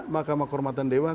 makam kehormatan dewa